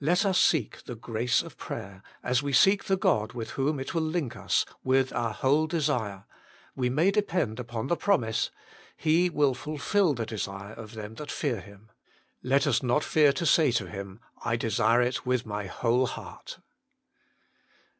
Let us seek 108 THE MINISTRY OF INTERCESSION the grace of prayer, as we seek the God with whom it will link us, " with our whole desire "; we may depend upon the promise, " He will fulfil the desire of them that fear Him." Let us not fear to say to Him, " I desire it with my whole heart."